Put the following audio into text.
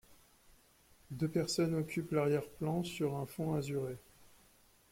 Deux personnages occupent l'arrière-plan sur un fond azuré.